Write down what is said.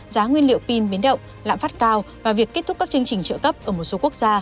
giá nguyên liệu pin biến động lãm phát cao và việc kết thúc các chương trình trợ cấp ở một số quốc gia